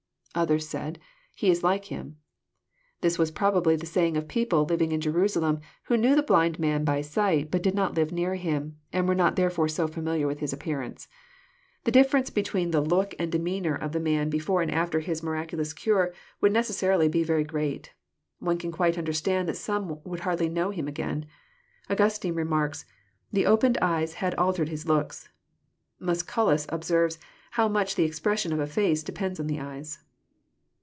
[Others said. He is like him.'] This was probably the saying of people living in Jerusalem, who knew the blind man by sight, but did not liv^^near him, and were not therefore so famil iar with his appearance. The difference between the look and demeanour of the man before and after his miraculous cure would necessarily be very great. One can quite understand that some would hardly know him again. Augustine remarks, " The opened eyes had altered his looks." Musculus observes how much the expression of a face depends on the eyes.